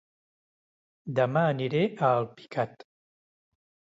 Dema aniré a Alpicat